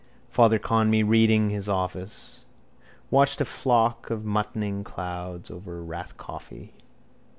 Father Conmee, reading his office, watched a flock of muttoning clouds over Rathcoffey.